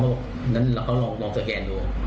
เราก็เค้าลองสแกนดู